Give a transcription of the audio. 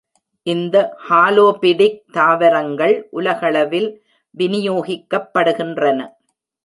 இந்த ஹாலோபிடிக் தாவரங்கள் உலகளவில் விநியோகிக்கப்படுகின்றன.